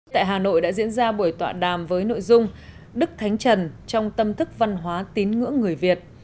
tại hà nội đã diễn ra buổi tọa đàm với nội dung đức thánh trần trong tâm thức văn hóa tín ngưỡng người việt